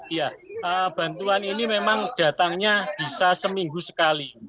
iya bantuan ini memang datangnya bisa seminggu sekali